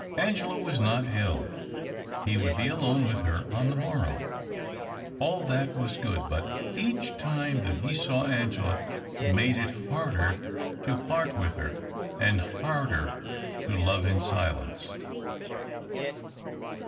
Angela was not ill — he would be alone with her on the morrow. All that was good. But each time that he saw Angela made it harder to part with her, and harder to love in silence.